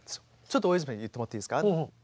ちょっと大泉さん言ってもらっていいですか？